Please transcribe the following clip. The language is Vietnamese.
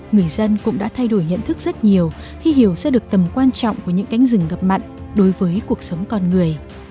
người dân cũng đã thay đổi nhận thức rất nhiều khi hiểu ra được tầm quan trọng của những cánh rừng ngập mặn đối với cuộc sống con người